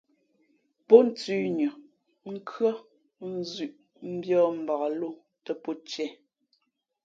Pó nthʉ̌nʉα, nkhʉ́ά, nzʉ̄ʼ mbiᾱᾱ mbak lō pó tiē.